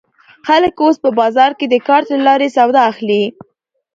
خلک اوس په بازار کې د کارت له لارې سودا اخلي.